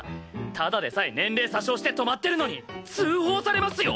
ただでさえ年齢詐称して泊まってるのに通報されますよ？